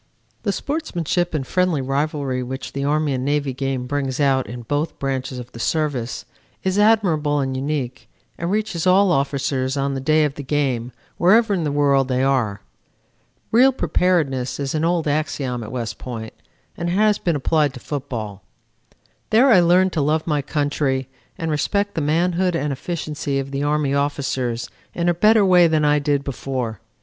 "The sportsmanship and friendly rivalry which the Army and Navy game brings out in both branches of the Service is admirable and unique and reaches all officers on the day of the game wherever in the world they are. Real preparedness is an old axiom at West Point and it has been applied to football. There I learned to love my country and respect the manhood and efficiency of the Army officers in a better way than I did before.